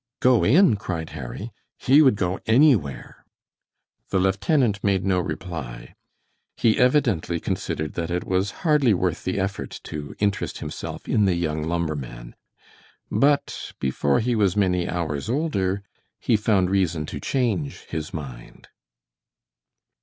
"Go in?" cried Harry, "he would go anywhere." The lieutenant made no reply. He evidently considered that it was hardly worth the effort to interest himself in the young lumberman, but before he was many hours older he found reason to change his mind.